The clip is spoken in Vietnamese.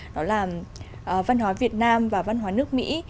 đó là văn hóa việt nam và văn hóa nước mỹ